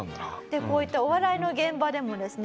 でこういったお笑いの現場でもですね